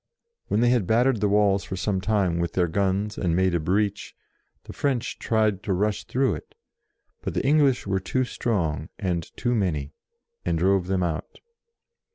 When they had battered the walls for some time with their guns, and made a breach, the French tried to rush through it; but the English were too strong and too many, and drove them out.